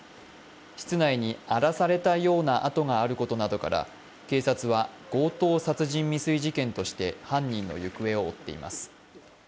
室内に荒らされたようなあとがあることから警察は強盗殺人未遂事件として犯人の行方を追っています。